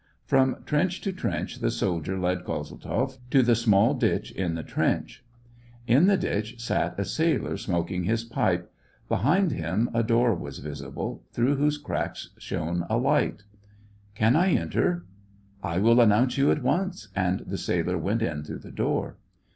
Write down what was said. From trench to trench the soldier led Kozel tzoff, to the small ditch in the trench. In the ditch sat a sailor, smoking his pipe ; behind him a door was visible, through whose cracks shone a light. SEVASTOPOL IN AUGUST. ic)3 " Can I enter ?"" I will announce you at once," and the sailor went in through the door.